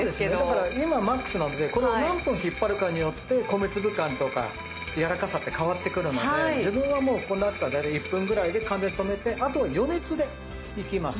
だから今マックスなのでこれを何分引っ張るかによって米粒感とかやわらかさって変わってくるので自分はもうこうなったら大体１分ぐらいで完全に止めてあとは余熱でいきます。